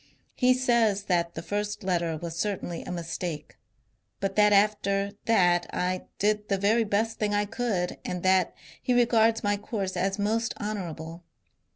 He says that the first letter was certainly a mistake ; but that after that I did the very best thing I could, and that he regards my course as most honourable.